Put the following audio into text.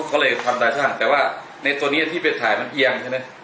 ก็เลยทำตาชั่นแต่ว่าในตัวนี้ที่ไปถ่ายมันเอียงใช่ไหม